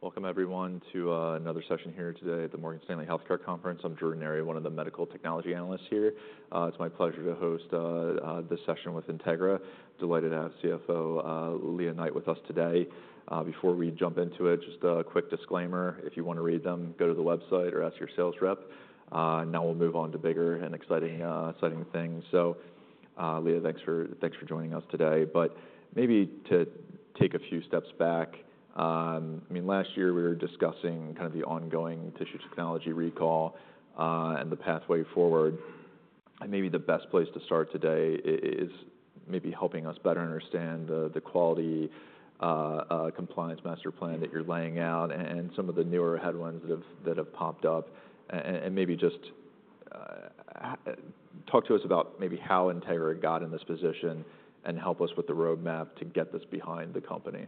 Welcome everyone to another session here today at the Morgan Stanley Healthcare Conference. I'm Drew Ranieri, one of the Medical Technology Analysts here. It's my pleasure to host this session with Integra. Delighted to have CFO Lea Knight with us today. Before we jump into it just a quick disclaimer: if you wanna read them, go to the website or ask your sales rep. Now we'll move on to bigger and exciting, exciting things. Leah, thanks for joining us today. But maybe to take a few steps back. I mean, last year we were discussing kind of the ongoing tissue technology recall and the pathway forward. And maybe the best place to start today is maybe helping us better understand the quality Compliance Master Plan that you're laying out and some of the newer headlines that have popped up. And maybe just talk to us about maybe how Integra got in this position, and help us with the roadmap to get this behind the company. Yeah.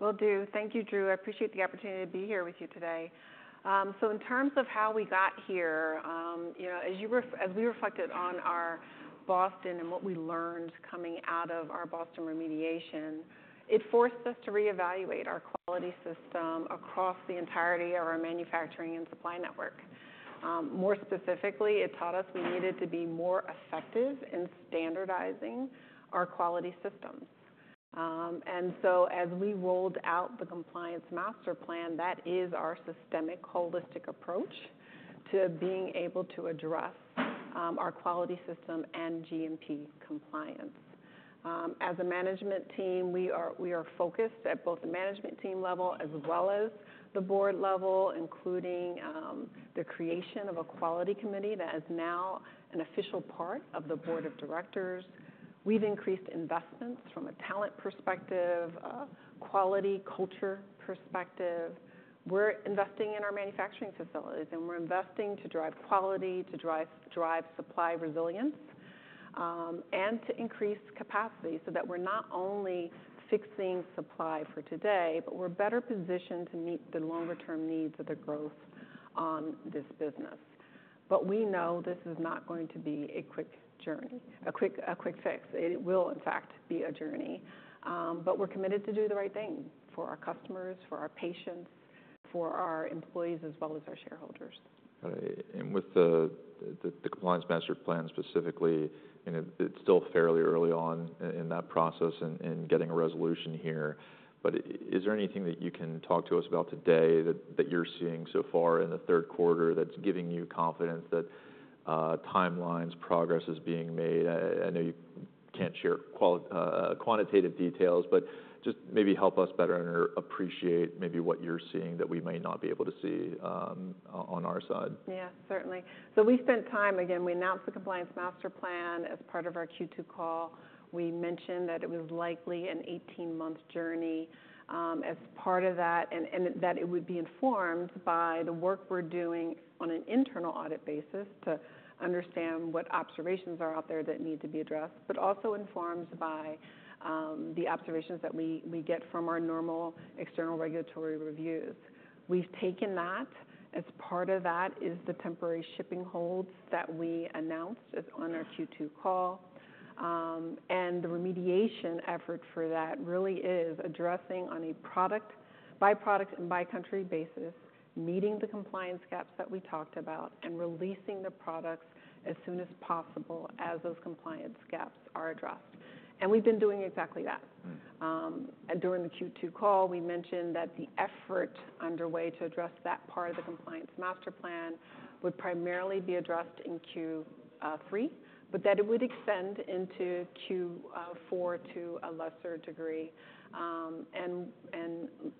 Will do. Thank you, Drew. I appreciate the opportunity to be here with you today. So in terms of how we got here you know, as we reflected on our Boston and what we learned coming out of our Boston remediation it forced us to reevaluate our quality system across the entirety of our manufacturing and supply network. More specifically, it taught us we needed to be more effective in standardizing our quality systems. And so as we rolled out the Compliance Master Plan, that is our systemic holistic approach to being able to address our quality system and GMP compliance. As a management team, we are focused at both the management team level as well as the board level, including the creation of a quality committee that is now an official part of the board of directors. We've increased investments from a talent perspective, quality, culture perspective. We're investing in our manufacturing facilities and we're investing to drive quality, to drive supply resilience and to increase capacity so that we're not only fixing supply for today, but we're better positioned to meet the longer term needs of the growth on this business, but we know this is not going to be a quick journey a quick fix. In fact, be a journey, but we're committed to do the right thing for our customers, for our patients, for our employees as well as our shareholders. And with the Compliance Master Plan specifically, and it's still fairly early on in that process and getting a resolution here, but is there anything that you can talk to us about today that you're seeing so far in the third quarter that's giving you confidence that timelines, progress is being made? I know you can't share quantitative details, but just maybe help us better understand, appreciate maybe what you're seeing that we may not be able to see on our side. Yeah, certainly. So we spent time. Again, we announced the Compliance Master Plan as part of our Q2 call. We mentioned that it was likely an 18-month journey, as part of that, and that it would be informed by the work we're doing on an internal audit basis to understand what observations are out there that need to be addressed, but also informed by the observations that we get from our normal external regulatory reviews. We've taken that, as part of that is the temporary shipping holds that we announced on our Q2 call. And the remediation effort for that really is addressing on a product-by-product and by-country basis, meeting the compliance gaps that we talked about, and releasing the products as soon as possible as those compliance gaps are addressed, and we've been doing exactly that. Mm. And during the Q2 call, we mentioned that the effort underway to address that part of the Compliance Master Plan would primarily be addressed in Q3, but that it would extend into Q4 to a lesser degree, and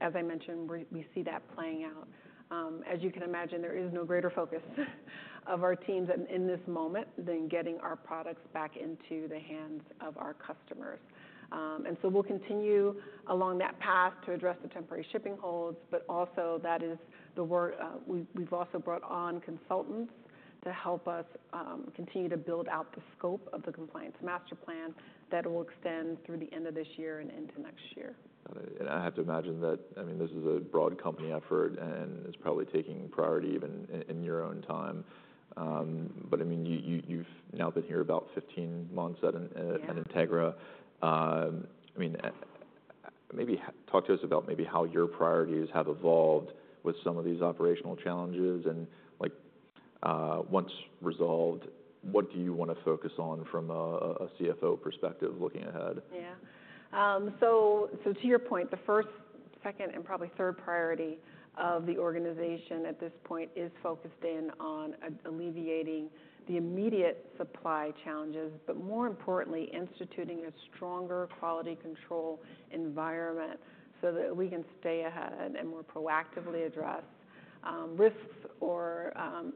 as I mentioned, we see that playing out. As you can imagine, there is no greater focus of our teams in this moment than getting our products back into the hands of our customers, and so we'll continue along that path to address the temporary shipping holds, but also we've also brought on consultants to help us continue to build out the scope of the Compliance Master Plan that will extend through the end of this year and into next year. And I have to imagine that, I mean, this is a broad company effort and is probably taking priority even in your own time. But I mean, you've now been here about fifteen months at.. Yeah at Integra. I mean, maybe talk to us about maybe how your priorities have evolved with some of these operational challenges, and, like, once resolved, what do you wanna focus on from a CFO perspective looking ahead? Yeah. So to your point, the first, second, and probably third priority of the organization at this point is focused in on alleviating the immediate supply challenges, but more importantly, instituting a stronger quality control environment so that we can stay ahead and more proactively address risks or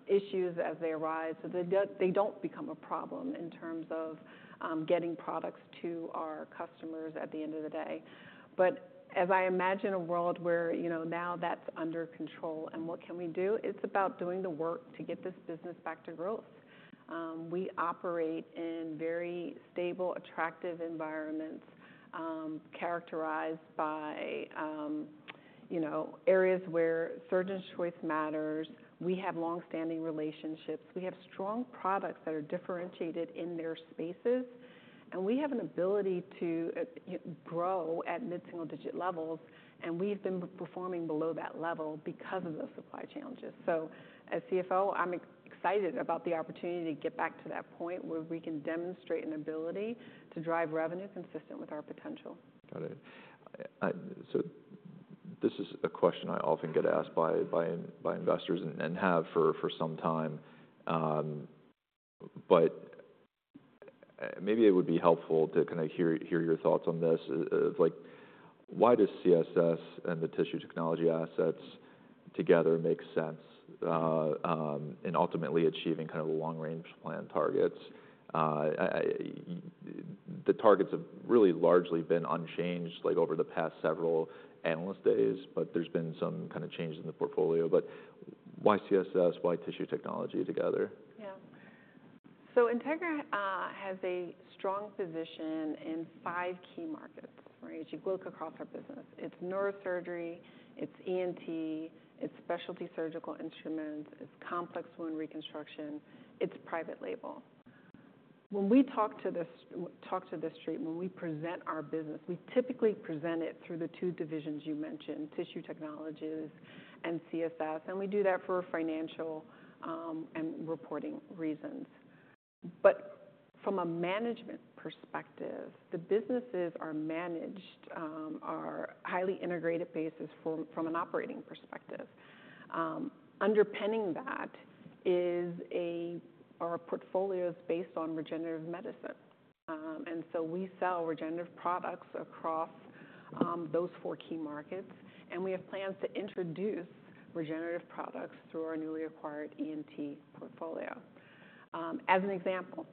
issues as they arise, so they don't become a problem in terms of getting products to our customers at the end of the day, but as I imagine a world where, you know, now that's under control, and what can we do? It's about doing the work to get this business back to growth. We operate in very stable, attractive environments, characterized by, you know, areas where surgeon's choice matters. We have long-standing relationships. We have strong products that are differentiated in their spaces, and we have an ability to grow at mid-single-digit levels, and we've been performing below that level because of the supply challenges. So as CFO, I'm excited about the opportunity to get back to that point where we can demonstrate an ability to drive revenue consistent with our potential. Got it. So this is a question I often get asked by investors and have for some time. But maybe it would be helpful to kind of hear your thoughts on this. Like, why does CSS and the tissue technology assets together make sense in ultimately achieving kind of long-range plan targets? The targets have really largely been unchanged, like, over the past several analyst days, but there's been some kind of change in the portfolio. But why CSS, why tissue technology together? Yeah. So Integra has a strong position in five key markets, right? As you look across our business, it's neurosurgery, it's ENT, it's specialty surgical instruments, it's complex wound reconstruction, it's private label. When we talk to the street, when we present our business, we typically present it through the two divisions you mentioned, tissue technologies and CSS, and we do that for financial and reporting reasons. But from a management perspective, the businesses are managed, are highly integrated based from an operating perspective. Underpinning that is our portfolio is based on regenerative medicine. And so we sell regenerative products across those four key markets, and we have plans to introduce regenerative products through our newly acquired ENT portfolio. As an example,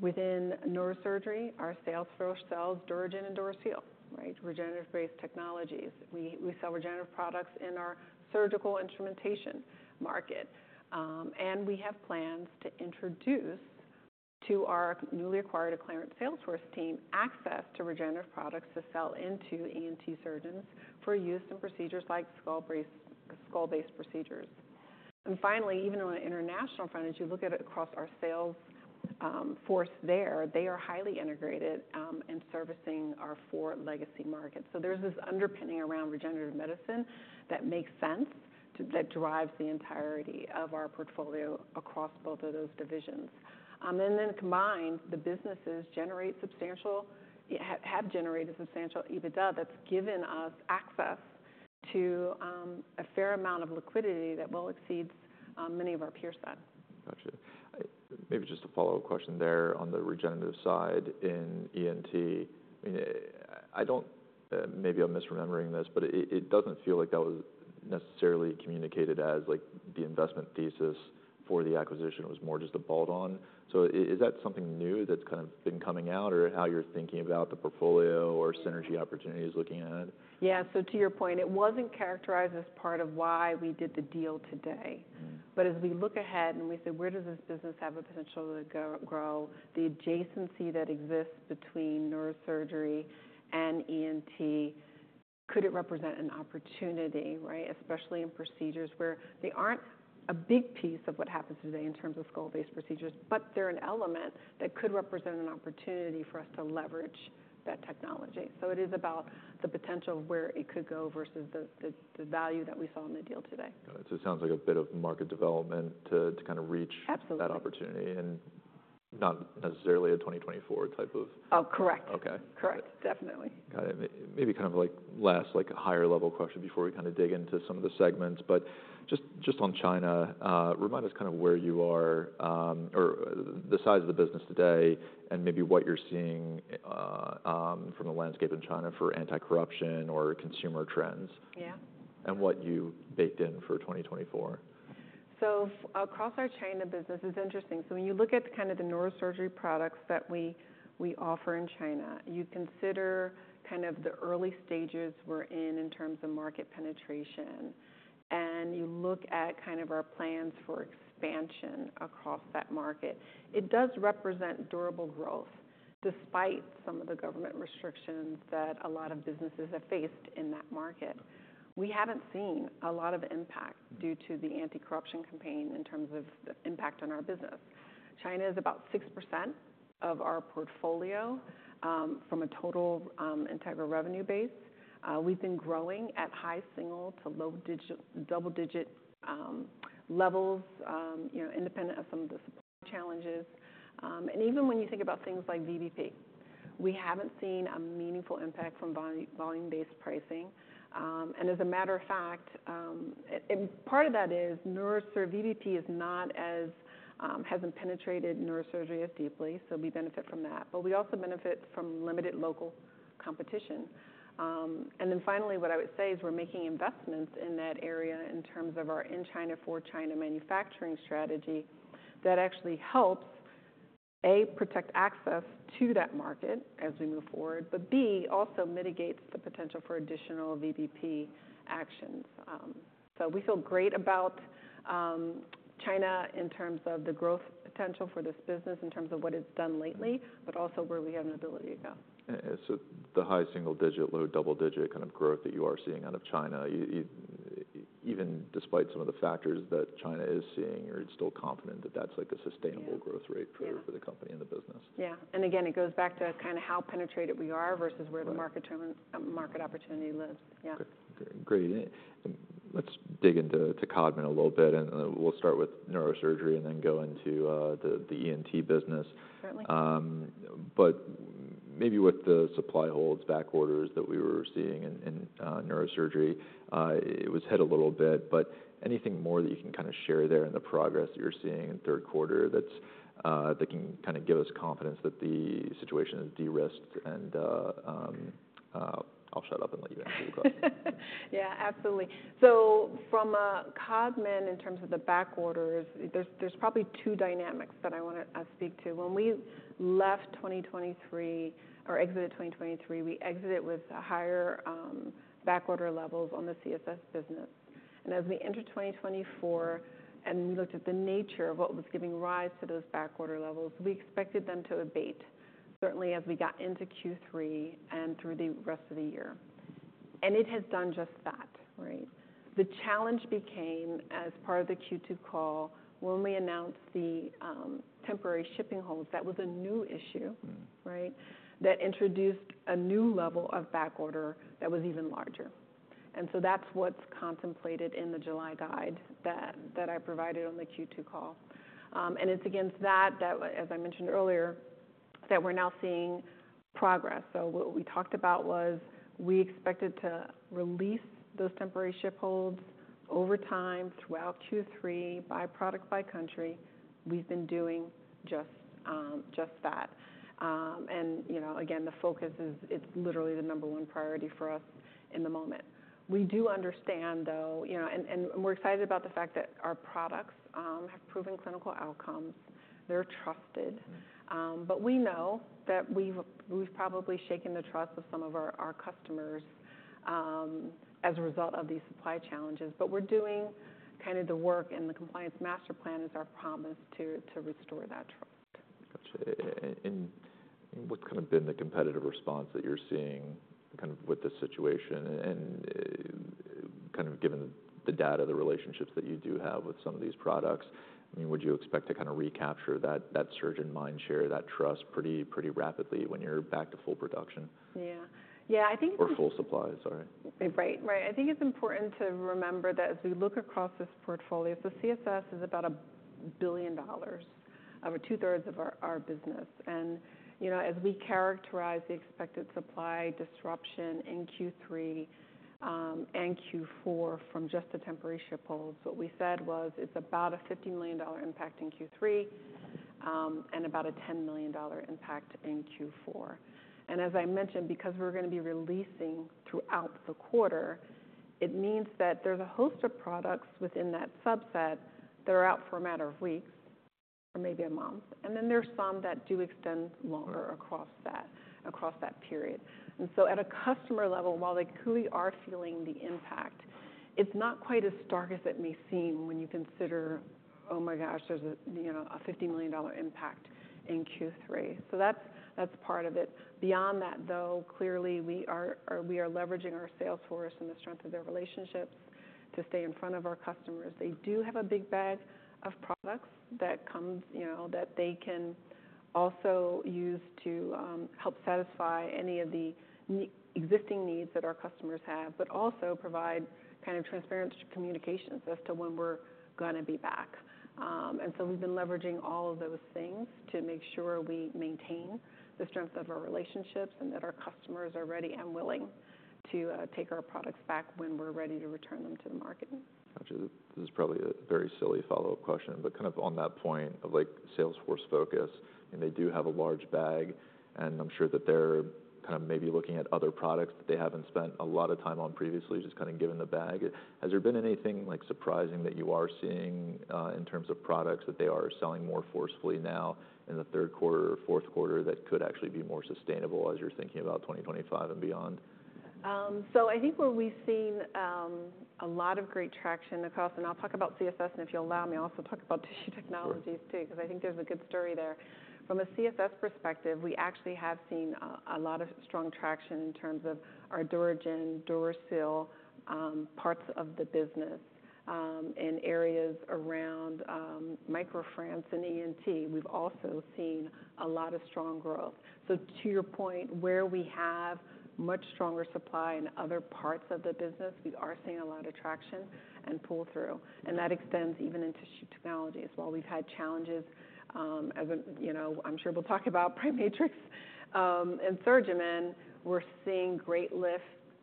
within neurosurgery, our sales force sells DuraGen and DuraSeal, right? Regenerative-based technologies. We sell regenerative products in our surgical instrumentation market, and we have plans to introduce to our newly acquired Acclarent sales force team, access to regenerative products to sell into ENT surgeons for use in procedures like skull based procedures. And finally, even on an international front, as you look at it across our sales force there, they are highly integrated in servicing our four legacy markets. So there's this underpinning around regenerative medicine that makes sense, that drives the entirety of our portfolio across both of those divisions. And then combined, the businesses have generated substantial EBITDA that's given us access to a fair amount of liquidity that well exceeds many of our peer set. Gotcha. Maybe just a follow-up question there on the regenerative side in ENT. I mean, I don't, maybe I'm misremembering this, but it doesn't feel like that was necessarily communicated as like the investment thesis for the acquisition. It was more just a bolt-on. So is that something new that's kind of been coming out, or how you're thinking about the portfolio or synergy opportunities looking ahead? Yeah. So to your point, it wasn't characterized as part of why we did the deal today. Mm-hmm. But as we look ahead and we say, "Where does this business have the potential to grow? The adjacency that exists between neurosurgery and ENT, could it represent an opportunity?" Right? Especially in procedures where they aren't a big piece of what happens today in terms of skull based procedures, but they're an element that could represent an opportunity for us to leverage that technology. So it is about the potential of where it could go versus the value that we saw in the deal today. So it sounds like a bit of market development to kind of reach- Absolutely... that opportunity, and not necessarily a 2024 type of- Oh, correct. Okay. Correct. Definitely. Got it. Maybe kind of like last, like a higher level question before we kind of dig into some of the segments. But just, just on China, remind us kind of where you are, or the size of the business today, and maybe what you're seeing, from the landscape in China for anti-corruption or consumer trends? Yeah. And what you baked in for 2024. So across our China business, it's interesting. So when you look at kind of the neurosurgery products that we offer in China, you consider kind of the early stages we're in, in terms of market penetration, and you look at kind of our plans for expansion across that market. It does represent durable growth, despite some of the government restrictions that a lot of businesses have faced in that market. We haven't seen a lot of impact due to the anti-corruption campaign in terms of the impact on our business. China is about 6% of our portfolio from a total Integra revenue base. We've been growing at high single to low digit, double digit levels, you know, independent of some of the supply challenges. And even when you think about things like VBP, we haven't seen a meaningful impact from volume-based pricing. And as a matter of fact, and part of that is VBP is not as hasn't penetrated neurosurgery as deeply, so we benefit from that, but we also benefit from limited local competition. And then finally, what I would say is we're making investments in that area in terms of our in China, for China manufacturing strategy, that actually helps-... A, protect access to that market as we move forward, but B, also mitigates the potential for additional VBP actions, so we feel great about China in terms of the growth potential for this business, in terms of what it's done lately, but also where we have an ability to go. And so the high single digit, low double digit kind of growth that you are seeing out of China, even despite some of the factors that China is seeing, are you still confident that that's, like, a sustainable? Yeah growth rate for Yeah for the company and the business? Yeah. And again, it goes back to kind of how penetrated we are versus where- Right The market opportunity lives. Yeah. Okay, great. Let's dig into Codman a little bit, and we'll start with neurosurgery and then go into the ENT business. Certainly. But maybe with the supply holds, back orders that we were seeing in neurosurgery, it was hit a little bit, but anything more that you can kind of share there in the progress that you're seeing in third quarter that can kind of give us confidence that the situation is de-risked and I'll shut up and let you answer the question. Yeah, absolutely. So from Codman, in terms of the back orders, there's probably two dynamics that I wanna speak to. When we left twenty twenty-three, or exited twenty twenty-three, we exited with higher back order levels on the CSS business. And as we entered twenty twenty-four and looked at the nature of what was giving rise to those back order levels, we expected them to abate, certainly as we got into Q3 and through the rest of the year. And it has done just that, right? The challenge became, as part of the Q2 call, when we announced the temporary shipping holds, that was a new issue- Mm-hmm... right? That introduced a new level of back order that was even larger. And so that's what's contemplated in the July guide that I provided on the Q2 call. And it's against that, as I mentioned earlier, that we're now seeing progress. So what we talked about was, we expected to release those temporary ship holds over time, throughout Q3, by product, by country. We've been doing just that. And, you know, again, the focus is, it's literally the number one priority for us in the moment. We do understand, though, you know. And we're excited about the fact that our products have proven clinical outcomes. They're trusted. Mm-hmm. But we know that we've probably shaken the trust of some of our customers as a result of these supply challenges. But we're doing kind of the work, and the Compliance Master Plan is our promise to restore that trust. Got you. What's kind of been the competitive response that you're seeing, kind of with the situation and kind of given the data, the relationships that you do have with some of these products? I mean, would you expect to kind of recapture that, that surgeon mind share, that trust, pretty, pretty rapidly when you're back to full production? Yeah. Yeah, I think- Or full supply, sorry. Right, right. I think it's important to remember that as we look across this portfolio, so CSS is about $1 billion, over two-thirds of our business. And, you know, as we characterize the expected supply disruption in Q3 and Q4 from just the temporary ship holds, what we said was it's about a $50 million impact in Q3 and about a $10 million impact in Q4. And as I mentioned, because we're gonna be releasing throughout the quarter, it means that there's a host of products within that subset that are out for a matter of weeks or maybe a month, and then there are some that do extend longer- Right Across that, across that period. And so at a customer level, while they clearly are feeling the impact, it's not quite as stark as it may seem when you consider, "Oh my gosh, there's a, you know, a $50 million impact in Q3." So that's, that's part of it. Beyond that, though, clearly, we are, we are leveraging our sales force and the strength of their relationships to stay in front of our customers. They do have a big bag of products that comes. You know, that they can also use to help satisfy any of the existing needs that our customers have, but also provide kind of transparent communications as to when we're gonna be back. And so we've been leveraging all of those things to make sure we maintain the strength of our relationships, and that our customers are ready and willing to take our products back when we're ready to return them to the market. Gotcha. This is probably a very silly follow-up question, but kind of on that point of, like, sales force focus, and they do have a large bag, and I'm sure that they're kind of maybe looking at other products that they haven't spent a lot of time on previously, just kind of given the bag. Has there been anything, like, surprising that you are seeing in terms of products that they are selling more forcefully now in the third quarter or fourth quarter, that could actually be more sustainable as you're thinking about twenty twenty-five and beyond? So I think where we've seen a lot of great traction across... And I'll talk about CSS, and if you'll allow me, I'll also talk about tissue technologies, too- Sure because I think there's a good story there. From a CSS perspective, we actually have seen a lot of strong traction in terms of our DuraGen, DuraSeal, parts of the business, in areas around MicroFrance and ENT. We've also seen a lot of strong growth. So to your point, where we have much stronger supply in other parts of the business, we are seeing a lot of traction and pull-through, and that extends even in tissue technologies. While we've had challenges, as you know, I'm sure we'll talk about PriMatrix and SurgiMend, we're seeing great lifts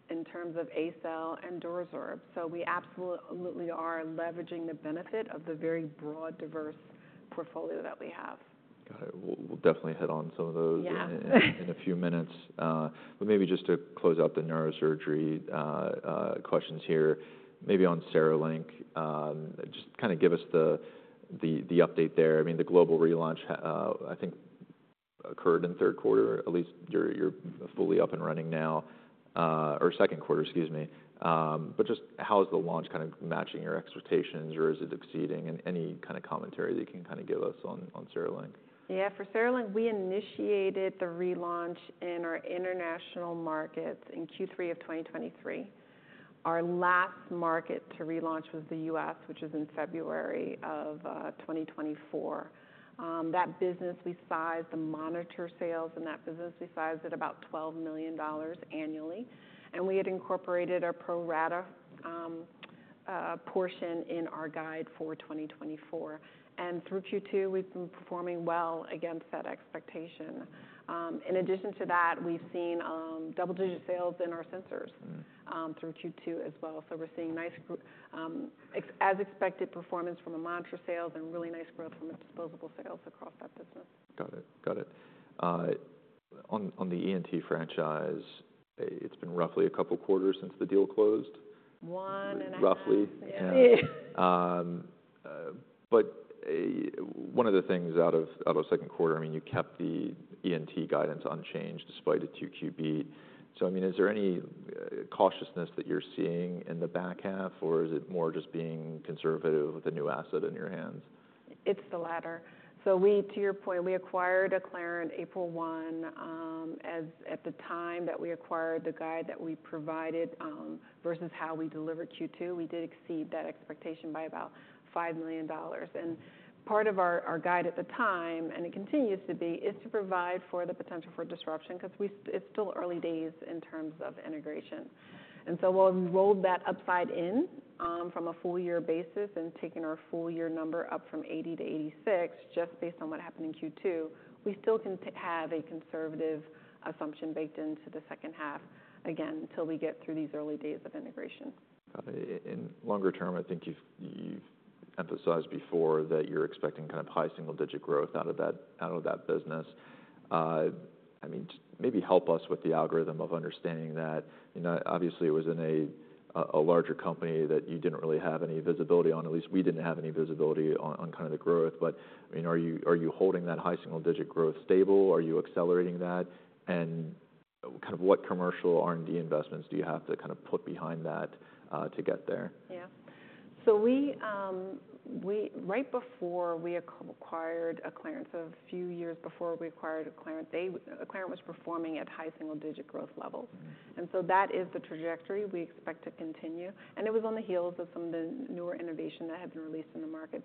in terms of ACell and DuraSorb. So we absolutely are leveraging the benefit of the very broad, diverse portfolio that we have. Got it. We'll definitely hit on some of those- Yeah. in a few minutes. But maybe just to close out the neurosurgery questions here, maybe on CereLink. Just kind of give us the update there. I mean, the global relaunch occurred in third quarter, at least you're fully up and running now, or second quarter, excuse me. But just how is the launch kind of matching your expectations, or is it exceeding? And any kind of commentary that you can kind of give us on CereLink? Yeah, for CereLink, we initiated the relaunch in our international markets in Q3 of 2023. Our last market to relaunch was the US, which is in February of 2024. That business, we sized the monitor sales at about $12 million annually. And we had incorporated a pro rata portion in our guide for 2024. And through Q2, we've been performing well against that expectation. In addition to that, we've seen double-digit sales in our sensors- Mm. Through Q2 as well. So we're seeing nice, as expected, performance from the monitor sales and really nice growth from the disposable sales across that business. Got it. On the ENT franchise, it's been roughly a couple quarters since the deal closed. One and a half. Roughly. Yeah. But, one of the things out of second quarter, I mean, you kept the ENT guidance unchanged despite a 2Q beat. So I mean, is there any cautiousness that you're seeing in the back half or is it more just being conservative with a new asset in your hands? It's the latter. So, to your point, we acquired Acclarent April one. As of the time that we acquired the guidance that we provided versus how we delivered Q2, we did exceed that expectation by about $5 million. And part of our guidance at the time, and it continues to be, is to provide for the potential for disruption because it's still early days in terms of Integration. And so we'll roll that upside in from a full year basis and taking our full year number up from $80 million to $86 million, just based on what happened in Q2. We still can't have a conservative assumption baked into the second half again until we get through these early days of integration. In longer term, I think you've emphasized before that you're expecting kind of high single-digit growth out of that business. I mean, just maybe help us with the algorithm of understanding that. You know, obviously, it was in a larger company that you didn't really have any visibility on, at least we didn't have any visibility on kind of the growth. But, I mean, are you holding that high single-digit growth stable? Are you accelerating that? And kind of what commercial R&D investments do you have to kind of put behind that to get there? Yeah. So we right before we acquired Acclarent, so a few years before we acquired Acclarent, Acclarent was performing at high single-digit growth levels. Mm-hmm. And so that is the trajectory we expect to continue. And it was on the heels of some of the newer innovation that had been released in the market.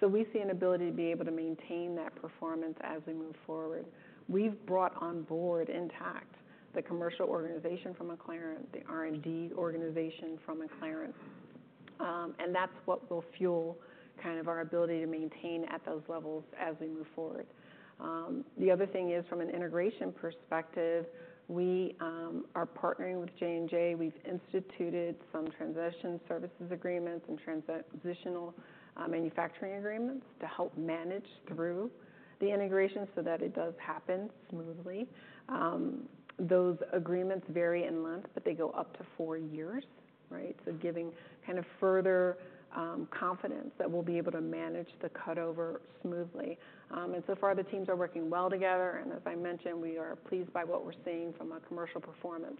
So we see an ability to be able to maintain that performance as we move forward. We've brought on board intact, the commercial organization from Acclarent the R&D organization from Acclarent. And that's what will fuel kind of our ability to maintain at those levels as we move forward. The other thing is from an integration perspective, we are partnering with J&J. We've instituted some transition services agreements and transitional manufacturing agreements to help manage through the integration so that it does happen smoothly. Those agreements vary in length, but they go up to four years, right? So giving kind of further confidence that we'll be able to manage the cutover smoothly. And so far, the teams are working well together and as I mentioned, we are pleased by what we're seeing from a commercial performance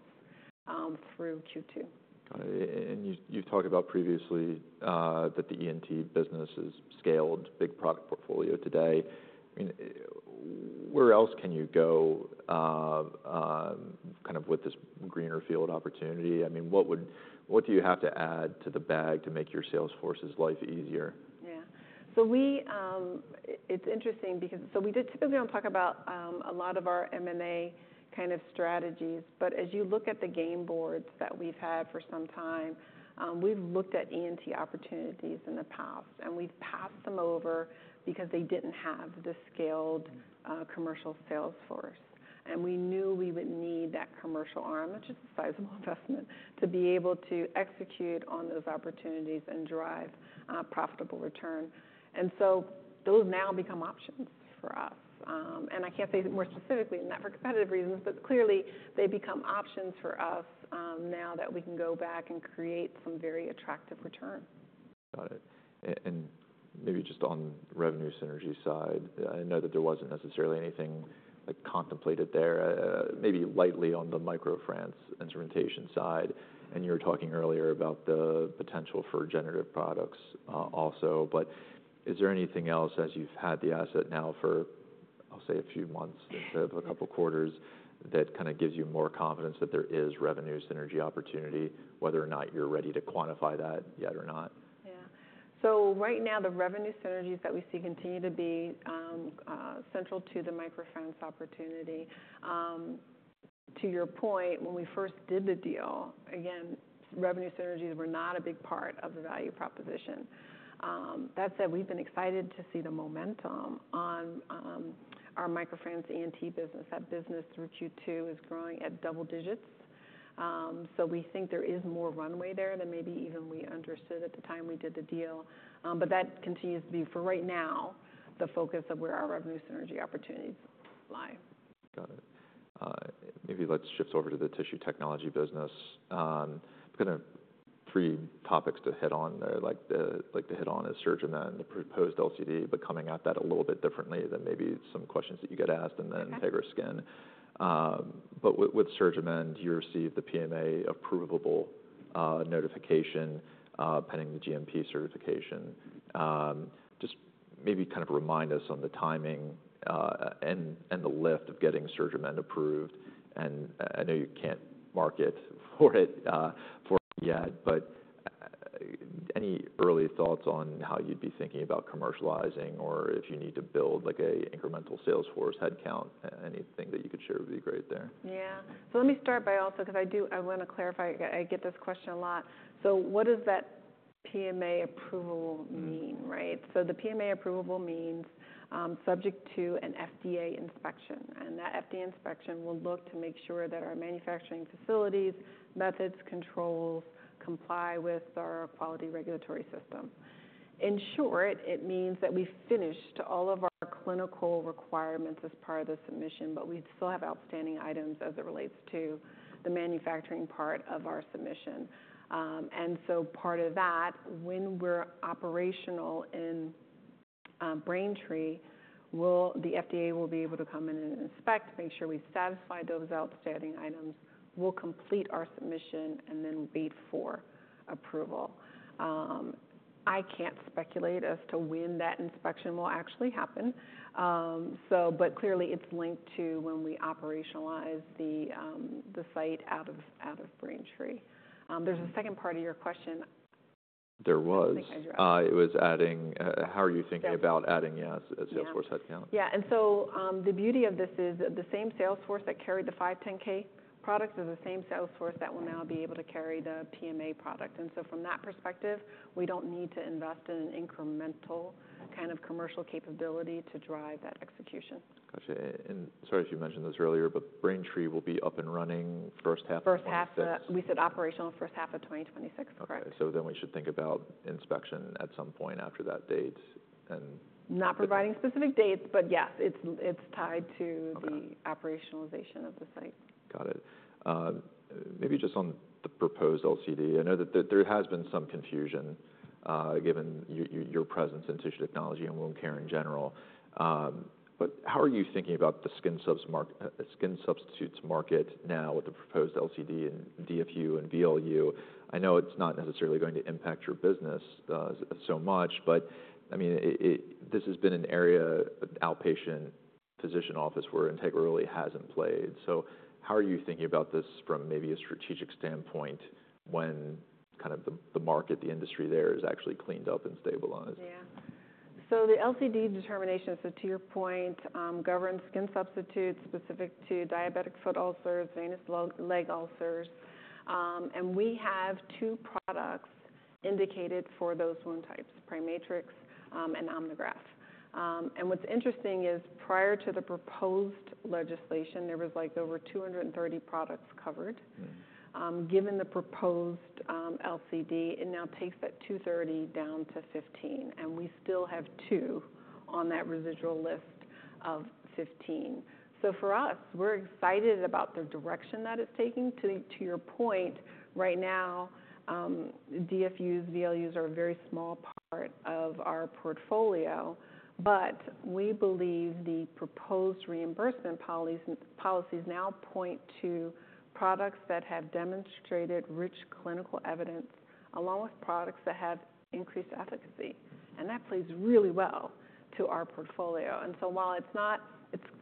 through Q2. Got it. And you've talked about previously that the ENT business is scaled big product portfolio today. I mean, where else can you go kind of with this greenfield opportunity? I mean, what do you have to add to the bag to make your sales force's life easier? Yeah. So we typically don't talk about a lot of our M&A kind of strategies but as you look at the game boards that we've had for some time we've looked at ENT opportunities in the past and we've passed them over because they didn't have the scaled commercial sales force. And we knew we would need that commercial arm, which is a sizable investment to be able to execute on those opportunities and drive profitable return. And so those now become options for us. And I can't say more specifically not for competitive reasons but clearly, they become options for us now that we can go back and create some very attractive return. Got it. And maybe just on revenue synergy side, I know that there wasn't necessarily anything like, contemplated there maybe lightly on the MicroFrance instrumentation side and you were talking earlier about the potential for regenerative products. Also, but is there anything else as you've had the asset now for, I'll say, a few months- Yeah. - or a couple quarters that kind of gives you more confidence that there is revenue synergy opportunity whether or not you're ready to quantify that yet or not? Yeah. So right now, the revenue synergies that we see continue to be central to the MicroFrance opportunity. To your point, when we first did the deal, again, revenue synergies were not a big part of the value proposition. That said, we've been excited to see the momentum on our MicroFrance ENT business. That business through Q2, is growing at double digits. So we think there is more runway there than maybe even we understood at the time we did the deal. But that continues to be for right now, the focus of where our revenue synergy opportunities lie. Got it. Maybe let's shift over to the tissue technology business. Three topics to hit on like to hit on is SurgiMend, the proposed LCD, but coming at that a little bit differently than maybe some questions that you get asked- Okay. - and then Integra Skin. But with SurgiMend, you received the PMA approvable notification, pending the GMP certification. Just maybe kind of remind us on the timing, and the lift of getting SurgiMend approved. And I know you can't market for it for it yet, but any early thoughts on how you'd be thinking about commercializing, or if you need to build, like, a incremental sales force headcount? Anything that you could share would be great there. Yeah. So let me start by also, because I do, I wanna clarify. I get, I get this question a lot. So what does that PMA approval mean, right? Mm-hmm. So the PMA approvable means, subject to an FDA inspection, and that FDA inspection will look to make sure that our manufacturing facilities, methods, controls, comply with our quality regulatory system. In short, it means that we've finished all of our clinical requirements as part of the submission, but we still have outstanding items as it relates to the manufacturing part of our submission. And so part of that, when we're operational in Braintree, the FDA will be able to come in and inspect, make sure we satisfy those outstanding items. We'll complete our submission, and then wait for approval. I can't speculate as to when that inspection will actually happen. So but clearly, it's linked to when we operationalize the site out of Braintree. There's a second part of your question. There was. I think I dropped- It was adding... How are you thinking- Yes. about adding, yes, a sales force headcount? Yeah, and so, the beauty of this is, the same sales force that carried the 510(k) products is the same sales force that will now be able to carry the PMA product. And so from that perspective, we don't need to invest in an incremental kind of commercial capability to drive that execution. Gotcha. And sorry, if you mentioned this earlier, but Braintree will be up and running first half of 2026? First half, we said operational first half of 2026, correct. Okay, so then we should think about inspection at some point after that date, and- Not providing specific dates, but yes, it's, it's tied to- Okay - the operationalization of the site. Got it. Maybe just on the proposed LCD. I know that there has been some confusion, given your presence in tissue technology and wound care in general. But how are you thinking about the skin substitutes market now with the proposed LCD, and DFU, and VLU? I know it's not necessarily going to impact your business so much, but, I mean, it. This has been an area, outpatient physician office, where Integra really hasn't played. So how are you thinking about this from maybe a strategic standpoint, when kind of the market, the industry there is actually cleaned up and stabilized? Yeah. So the LCD determination, so to your point, governs skin substitutes specific to diabetic foot ulcers, venous leg ulcers. And we have two products indicated for those wound types, PriMatrix, and Omnigraft. And what's interesting is, prior to the proposed legislation, there was, like, over two hundred and thirty products covered. Mm-hmm. Given the proposed LCD, it now takes that 230 down to 15, and we still have 2 on that residual list of 15. So for us, we're excited about the direction that it's taking. To your point, right now, DFUs, VLUs are a very small part of our portfolio, but we believe the proposed reimbursement policies now point to products that have demonstrated rich clinical evidence, along with products that have increased efficacy, and that plays really well to our portfolio, and so while it's not,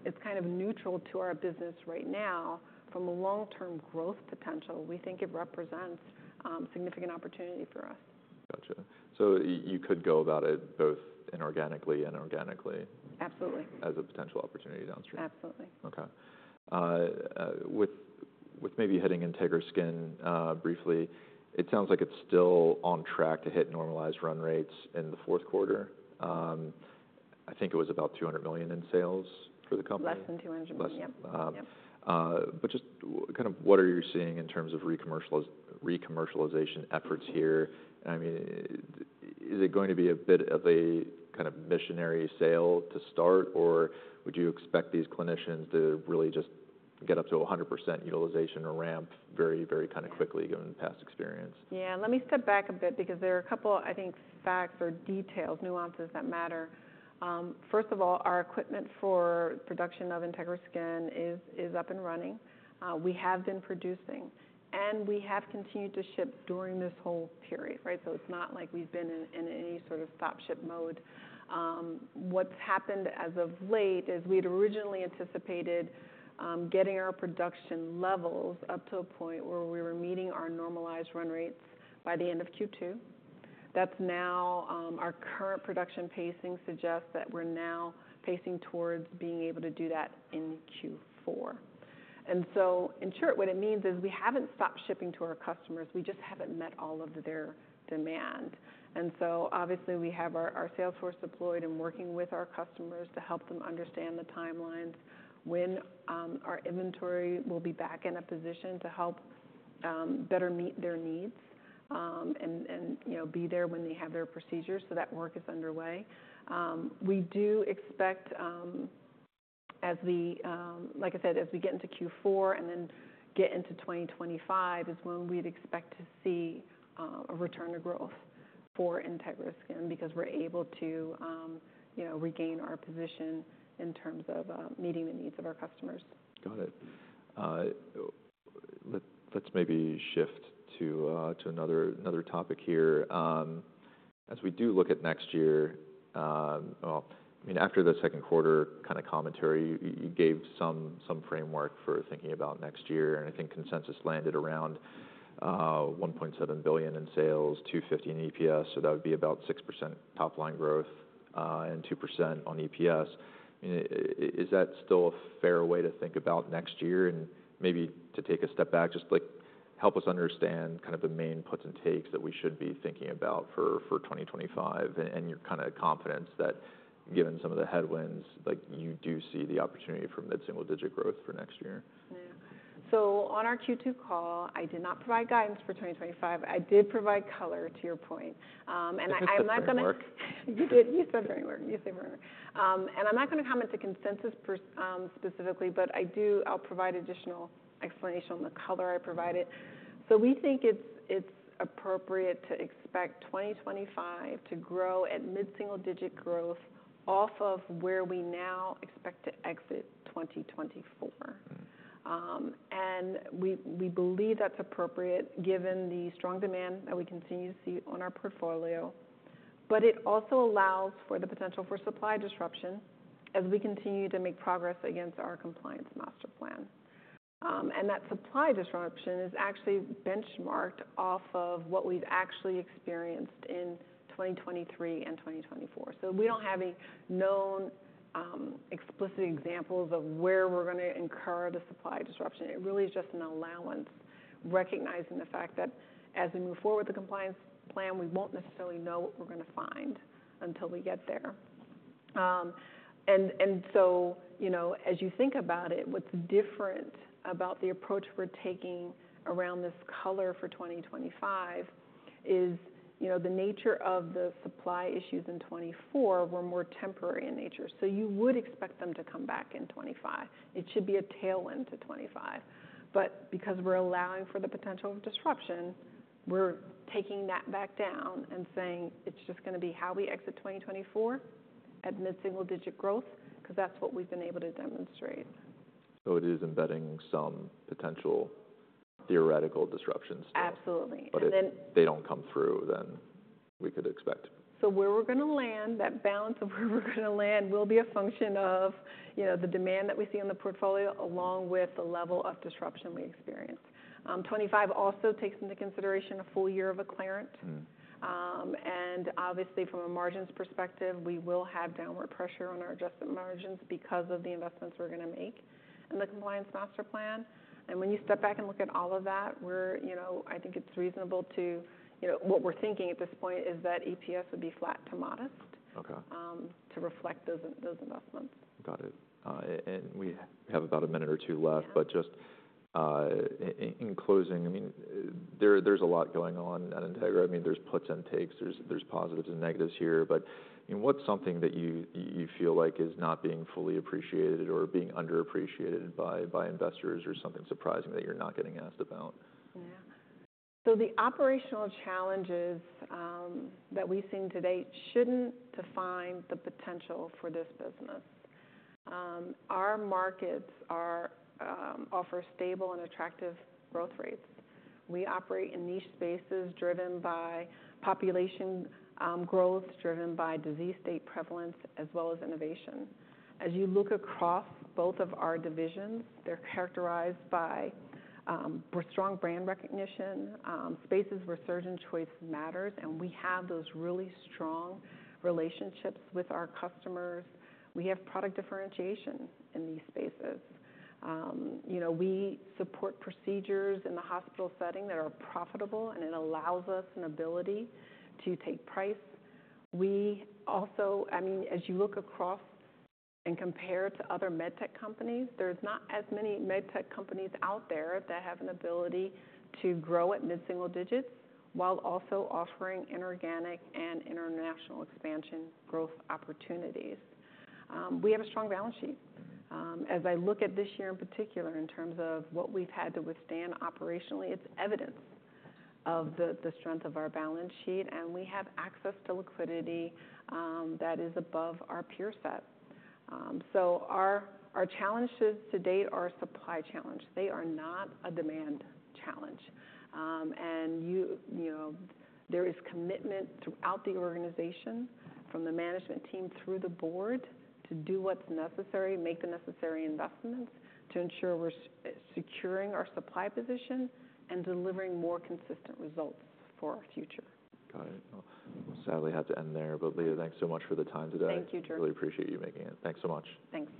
it's kind of neutral to our business right now, from a long-term growth potential, we think it represents significant opportunity for us. Gotcha. So you could go about it both inorganically and organically- Absolutely as a potential opportunity downstream? Absolutely. Okay. With maybe hitting Integra Skin briefly, it sounds like it's still on track to hit normalized run rates in the fourth quarter. I think it was about $200 million in sales for the company. Less than $200 million. Less- Yeah. Um- Yeah. But just kind of what are you seeing in terms of recommercialization efforts here? I mean, is it going to be a bit of a kind of missionary sale to start, or would you expect these clinicians to really just get up to a 100% utilization or ramp very, very kind of quickly, given the past experience? Yeah. Let me step back a bit because there are a couple, I think, facts or details, nuances that matter. First of all, our equipment for production of Integra Skin is up and running. We have been producing, and we have continued to ship during this whole period, right? So it's not like we've been in any sort of stop ship mode. What's happened as of late is, we'd originally anticipated getting our production levels up to a point where we were meeting our normalized run rates by the end of Q2. That's now... Our current production pacing suggests that we're now pacing towards being able to do that in Q4. And so in short, what it means is, we haven't stopped shipping to our customers, we just haven't met all of their demand. And so obviously, we have our sales force deployed and working with our customers to help them understand the timelines, when our inventory will be back in a position to help better meet their needs, and you know, be there when they have their procedures. So that work is underway. We do expect as we, like I said, as we get into Q4 and then get into 2025, is when we'd expect to see a return to growth for Integra Skin, because we're able to you know, regain our position in terms of meeting the needs of our customers. Got it. Let's maybe shift to another topic here. As we do look at next year, well, I mean, after the second quarter kind of commentary, you gave some framework for thinking about next year, and I think consensus landed around $1.7 billion in sales, $2.50 in EPS. So that would be about 6% top line growth, and 2% on EPS. I mean, is that still a fair way to think about next year? And maybe to take a step back, just, like, help us understand kind of the main puts and takes that we should be thinking about for 2025, and your kind of confidence that given some of the headwinds, like, you do see the opportunity for mid-single digit growth for next year. Yeah. So on our Q2 call, I did not provide guidance for 2025. I did provide color, to your point, and I- That's the framework. You did use the framework. You say framework. And I'm not gonna comment to consensus specifically, but I do. I'll provide additional explanation on the color I provided. So we think it's appropriate to expect 2025 to grow at mid-single digit growth off of where we now expect to exit 2024. Mm-hmm. And we believe that's appropriate given the strong demand that we continue to see on our portfolio, but it also allows for the potential for supply disruption as we continue to make progress against our Compliance Master Plan. And that supply disruption is actually benchmarked off of what we've actually experienced in 2023 and 2024. So we don't have any known, explicit examples of where we're gonna incur the supply disruption. It really is just an allowance, recognizing the fact that as we move forward with the compliance plan, we won't necessarily know what we're gonna find until we get there. And so, you know, as you think about it, what's different about the approach we're taking around this quarter for twenty twenty-five is, you know, the nature of the supply issues in twenty twenty-four were more temporary in nature, so you would expect them to come back in twenty twenty-five. It should be a tailwind to twenty twenty-five, but because we're allowing for the potential of disruption, we're taking that back down and saying, "It's just gonna be how we exit twenty twenty-four at mid-single-digit growth," cause that's what we've been able to demonstrate. So it is embedding some potential theoretical disruptions? Absolutely. And then- But if they don't come through, then we could expect. So where we're gonna land, that balance of where we're gonna land will be a function of, you know, the demand that we see on the portfolio, along with the level of disruption we experience. 2025 also takes into consideration a full year of Acclarent. Mm-hmm. And obviously from a margins perspective, we will have downward pressure on our adjusted margins because of the investments we're gonna make in the Compliance Master Plan. And when you step back and look at all of that, we're, you know, I think it's reasonable to... You know, what we're thinking at this point is that EPS would be flat to modest- Okay. to reflect those investments. Got it, and we have about a minute or two left. Yeah. But just in closing, I mean, there's a lot going on at Integra. I mean, there's puts and takes, there's positives and negatives here. But, I mean, what's something that you feel like is not being fully appreciated or being underappreciated by investors or something surprising that you're not getting asked about? Yeah. The operational challenges that we've seen to date shouldn't define the potential for this business. Our markets offer stable and attractive growth rates. We operate in niche spaces driven by population growth, driven by disease state prevalence, as well as innovation. As you look across both of our divisions, they're characterized by strong brand recognition, spaces where surgeon choice matters, and we have those really strong relationships with our customers. We have product differentiation in these spaces. You know, we support procedures in the hospital setting that are profitable, and it allows us an ability to take price. We also... I mean, as you look across and compare to other med tech companies, there's not as many med tech companies out there that have an ability to grow at mid-single digits, while also offering inorganic and international expansion growth opportunities. We have a strong balance sheet. As I look at this year, in particular, in terms of what we've had to withstand operationally, it's evidence of the strength of our balance sheet, and we have access to liquidity that is above our peer set. So our challenges to date are a supply challenge. They are not a demand challenge. And you know, there is commitment throughout the organization, from the management team through the board, to do what's necessary make the necessary investments to ensure we're securing our supply position and delivering more consistent results for our future. Got it. Well, sadly, have to end there, but Leah, thanks so much for the time today. Thank you, Drew. Really appreciate you making it. Thanks so much. Thanks.